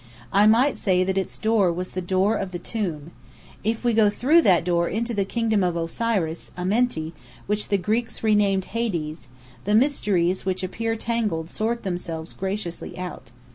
I might say that its door was the door of the Tomb. If we go through that door into the Kingdom of Osiris, Amenti, which the Greeks renamed Hades, the mysteries which appear tangled sort themselves graciously out.